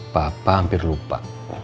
papa hampir lupa